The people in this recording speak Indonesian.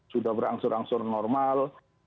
sudah berangsur angsur normal